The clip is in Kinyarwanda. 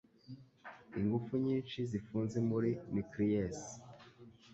Ingufu nyinshi zifunze muri nucleus.